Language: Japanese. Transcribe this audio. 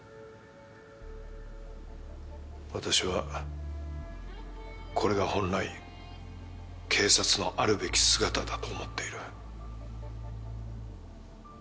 私はこれが本来警察のあるべき姿だと思っている。